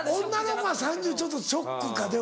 女の子は３０ちょっとショックか？